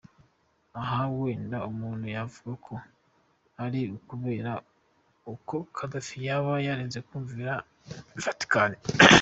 Aha wenda umuntu yavuga ko ari ukubera ko Gaddafi yaba yaranze kumvira Vaticani.